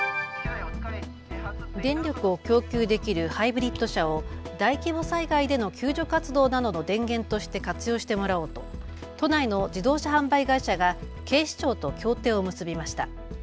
電力を供給できるハイブリッド車を大規模災害での救助活動などの電源として活用してもらおうと都内の自動車販売会社が警視庁と協定を結びました。